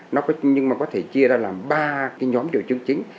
nhưng mà có thể chia ra làm ba nhóm điều chứng chính